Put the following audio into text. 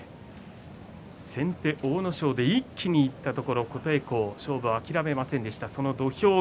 先手阿武咲で一気にいったところ琴恵光勝負を諦めませんでした。